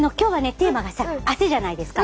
テーマがさ「汗」じゃないですか。